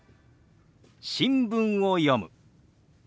「新聞を読む」。